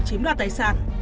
chiếm đoạt tài sản